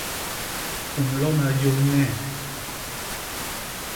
U nlona yônhe?